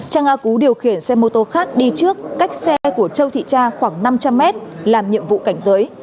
trang a cú điều khiển xe mô tô khác đi trước cách xe của châu thị cha khoảng năm trăm linh m làm nhiệm vụ cảnh giới